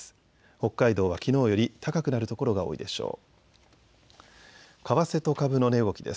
北海道はきのうより高くなる所が多いでしょう。